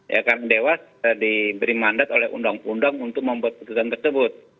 ya kan dewas diberi mandat oleh undang undang untuk membuat keputusan tersebut